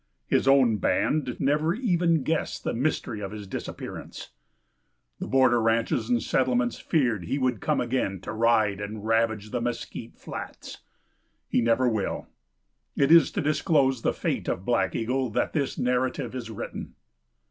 His own band never even guessed the mystery of his disappearance. The border ranches and settlements feared he would come again to ride and ravage the mesquite flats. He never will. It is to disclose the fate of Black Eagle that this narrative is written.